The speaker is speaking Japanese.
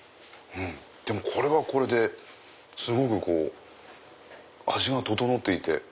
でもこれはこれですごく味が調っていて。